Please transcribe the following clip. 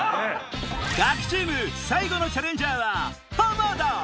ガキチーム最後のチャレンジャーは浜田！